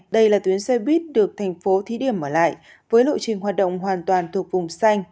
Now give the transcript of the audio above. đây là tuyến xe buýt được thành phố thí điểm mở lại với lộ trình hoạt động hoàn toàn thuộc vùng xanh